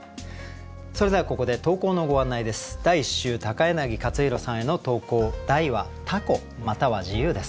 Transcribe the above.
それではここで投稿のご案内です。